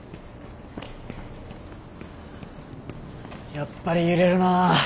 やっぱり揺れるな。